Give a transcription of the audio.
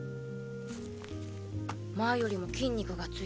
前よりも筋肉がついた。